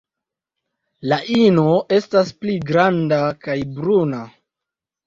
La ino estas pli granda kaj bruna.